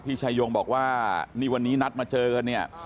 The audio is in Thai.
ชายงบอกว่านี่วันนี้นัดมาเจอกันเนี่ย